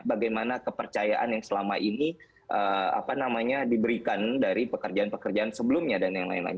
bagaimana kepercayaan yang selama ini diberikan dari pekerjaan pekerjaan sebelumnya dan yang lain lain